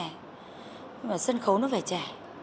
nhưng mà sân khấu nó phải trẻ